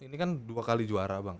ini kan dua kali juara bang